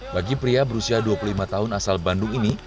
bagi pria berusia dua puluh lima tahun asal bandung ini